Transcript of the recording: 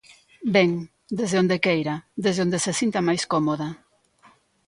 Ben, desde onde queira, desde onde se sinta máis cómoda.